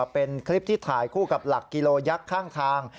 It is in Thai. เป็นคลิปที่ถ่ายคู่กับหลักกิโลยักษ์ข้างทาง